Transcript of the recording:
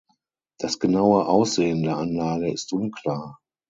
Das genaue Aussehen der Anlage ist unklar.